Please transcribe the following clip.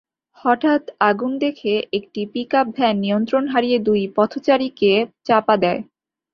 হঠাৎ আগুন দেখে একটি পিকআপ ভ্যান নিয়ন্ত্রণ হারিয়ে দুই পথচারীকে চাপা দেয়।